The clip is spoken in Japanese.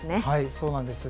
そうなんです。